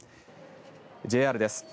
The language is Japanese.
ＪＲです。